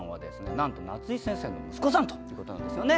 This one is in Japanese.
なんと夏井先生の息子さんということなんですよね。